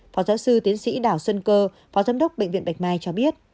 phó giáo sư tiến sĩ đảo sơn cơ phó giám đốc bệnh viện bạch mai cho biết